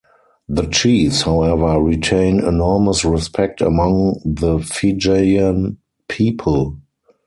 The chiefs, however, retain enormous respect among the Fijian people.